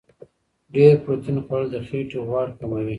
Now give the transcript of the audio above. ډېر پروتین خوړل د خېټې غوړ کموي.